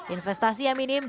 investasi yang minim